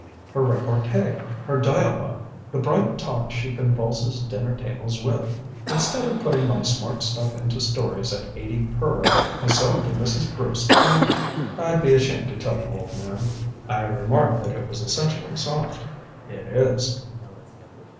"Her repartee her dialogue the bright talk she convulses dinner tables with. Instead of putting my smart stuff into stories at eighty per, I sell it to Mrs. Bruce at I'd be ashamed to tell you, old man. I remarked that it was essentially soft. It is."